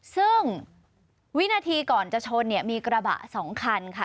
ซึ่งวินาทีก่อนจะชนเนี่ยมีกระบะ๒คันค่ะ